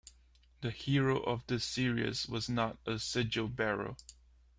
The hero of this series was not a Sigil-Bearer.